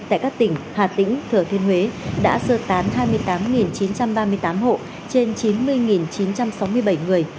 tại các tỉnh hà tĩnh thừa thiên huế đã sơ tán hai mươi tám chín trăm ba mươi tám hộ trên chín mươi chín trăm sáu mươi bảy người